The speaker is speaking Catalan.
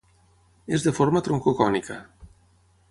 És de forma troncocònica.